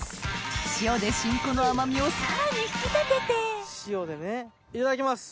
塩で新子の甘味をさらに引き立てて塩でねいただきます。